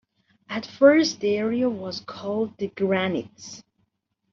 At first the area was called "The Granites".